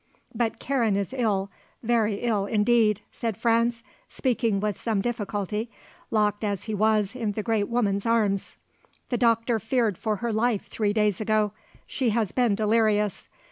"But Karen is ill, very ill indeed," said Franz, speaking with some difficulty, locked as he was in the great woman's arms. "The doctor feared for her life three days ago. She has been delirious.